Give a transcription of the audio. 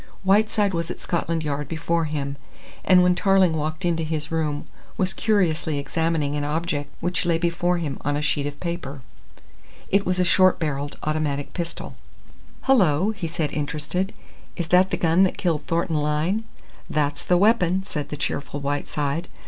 Whiteside was at Scotland Yard before him, and when Tarling walked into his room was curiously examining an object which lay before him on a sheet of paper. It was a short barrelled automatic pistol. "Hullo!" he said, interested. "Is that the gun that killed Thornton Lyne?" "That's the weapon," said the cheerful Whiteside.